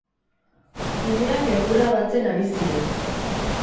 Umeak egurra batzen ari ziren.